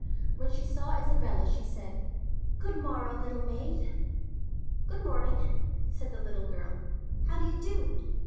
When she saw Isabella she said, "Good morrow, little maid." "Good morning," said the little girl. "How do you do?"